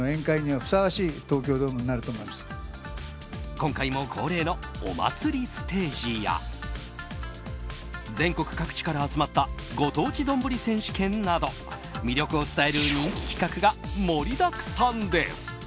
今回も恒例のお祭りステージや全国各地から集まったご当地どんぶり選手権など魅力を伝える人気企画が盛りだくさんです。